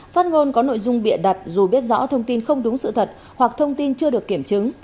phát ngôn có nội dung bịa đặt dù biết rõ thông tin không đúng sự thật hoặc thông tin chưa được kiểm chứng